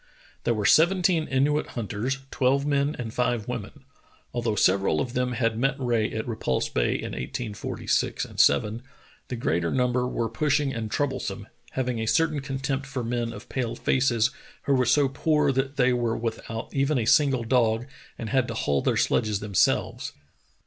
There were seventeen Inuit hunters, twelve men and five women. Although several of them had met Rae at Repulse Bay in 1846 7, the greater number were push ing and troublesome, having a certain contempt for men of pale faces who were so poor that they were without even a single dog and had to haul their sledges them selves.